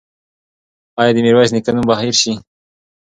ایا د میرویس نیکه نوم به هېر شي؟